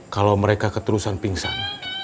kalau mereka keterusan pingsan